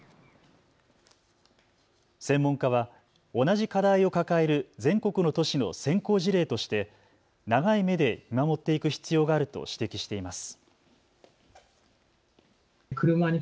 専門家は同じ課題を抱える全国の都市の先行事例として長い目で見守っていく必要があると指摘しています。